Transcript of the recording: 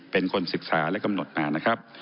เป็นคนศึกษาและกำหนดมา